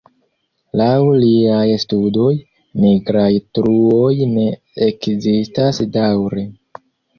Laŭ liaj studoj, nigraj truoj ne ekzistas daŭre.